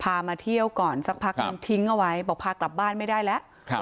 มาเที่ยวก่อนสักพักนึงทิ้งเอาไว้บอกพากลับบ้านไม่ได้แล้ว